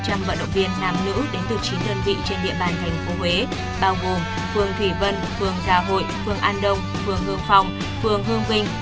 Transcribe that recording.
các vận động viên thân vị trên địa bàn tp huế bao gồm phường thủy vân phường thà hội phường an đông phường hương phong phường hương vinh